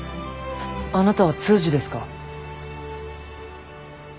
あなたは通詞ですか？